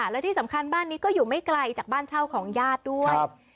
และที่สำคัญบ้านนี้ก็อยู่ไม่ไกลจากบ้านเช่าของญาติด้วย